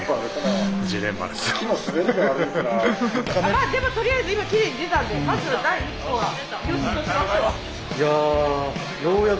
まあでもとりあえず今きれいに出たんでまずは第一歩はよしとしましょう。